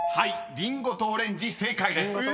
「りんごとオレンジ」正解です］